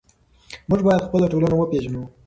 موږ باید خپله ټولنه وپېژنو.